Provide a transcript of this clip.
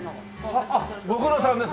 あっご苦労さんです